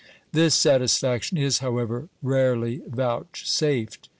This satisfaction is, however, rarely vouchsafed.